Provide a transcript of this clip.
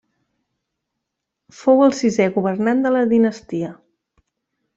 Fou el sisè governant de la dinastia.